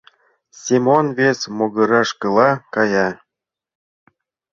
Семон вес могырышкыла кая.